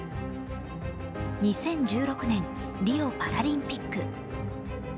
２０１６年、リオパラリンピック。